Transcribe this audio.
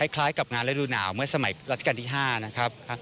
คล้ายกับงานฤดูหนาวเมื่อสมัยรัชกาลที่๕นะครับ